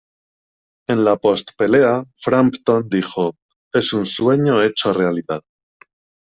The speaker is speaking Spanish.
En la post-pelea, Frampton dijo: "Es un sueño hecho realidad.